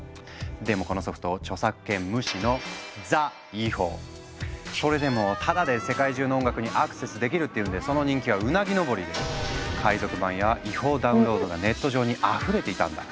でもこのソフト著作権無視のそれでもタダで世界中の音楽にアクセスできるっていうんでその人気はうなぎ登りで海賊版や違法ダウンロードがネット上にあふれていたんだ。